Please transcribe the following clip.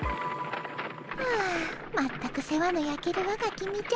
はあ全く世話のやけるわがきみじゃ。